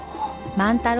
万太郎！